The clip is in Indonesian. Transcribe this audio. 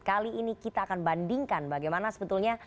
kali ini kita akan bandingkan bagaimana sebetulnya